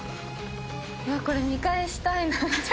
これ見返したいなちょっと。